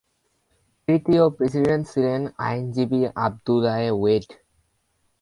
তৃতীয় প্রেসিডেন্ট ছিলেন আইনজীবী আব্দুলায়ে ওয়েড।